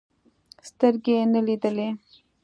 سترګې يې نه لیدلې.